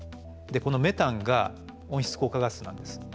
このメタンが温室効果ガスなんです。